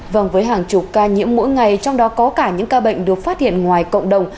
vâng với hàng chục ca nhiễm mỗi ngày trong đó có cả những ca bệnh được phát hiện ngoài cộng đồng